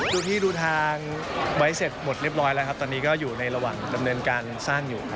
ดูที่ดูทางไว้เสร็จหมดเรียบร้อยแล้วครับตอนนี้ก็อยู่ในระหว่างดำเนินการสร้างอยู่